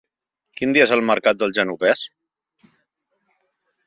Quin dia és el mercat del Genovés?